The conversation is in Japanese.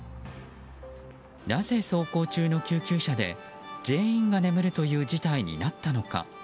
なぜ走行中の救急車で、全員が眠るという事態になったのか。